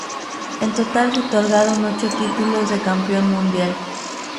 En total se otorgaron ocho títulos de campeón mundial.